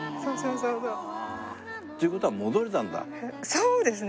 そうですね。